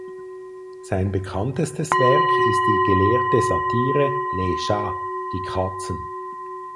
Sein bekanntestes Werk ist die gelehrte Satire "Les chats" (Die Katzen).